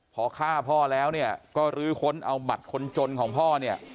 พอฆ่าพ่อแล้วเนี่ยก็ลื้อค้นเอาบัตรคนจนของพ่อเนี่ย